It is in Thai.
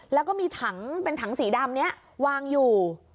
แล้วก็มีถังเป็นถังสีดำนี้วางอยู่